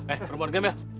eh bunga bunga ini